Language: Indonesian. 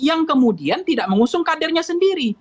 yang kemudian tidak mengusung kadernya sendiri